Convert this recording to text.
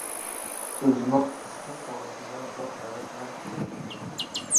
ئۆزىمۇ پۇشكىن توغرىسىدا زوق ھەۋەس بىلەن سۆزلەيتتى.